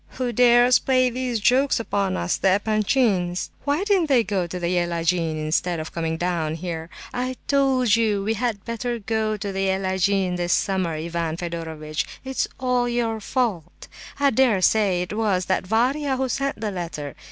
Who dares play these jokes upon us, the Epanchins? Why didn't we go to the Yelagin instead of coming down here? I told you we had better go to the Yelagin this summer, Ivan Fedorovitch. It's all your fault. I dare say it was that Varia who sent the letter.